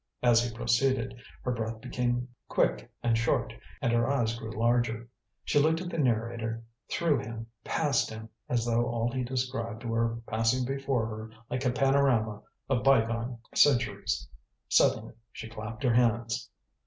As he proceeded, her breath became quick and short and her eyes grew larger. She looked at the narrator, through him, past him, as though all he described were passing before her like a panorama of byegone centuries. Suddenly she clapped her hands.